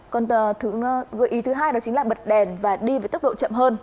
còn gợi ý thứ hai đó chính là bật đèn và đi với tốc độ chậm hơn